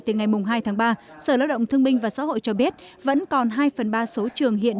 từ ngày hai tháng ba sở lao động thương minh và xã hội cho biết vẫn còn hai phần ba số trường hiện